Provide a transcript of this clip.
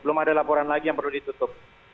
belum ada laporan lagi yang perlu ditutup